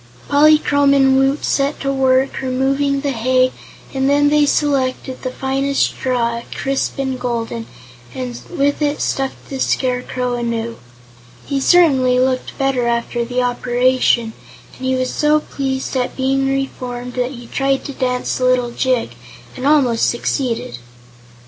Polychrome and Woot set to work removing the hay and then they selected the finest straw, crisp and golden, and with it stuffed the Scarecrow anew. He certainly looked better after the operation, and he was so pleased at being reformed that he tried to dance a little jig, and almost succeeded.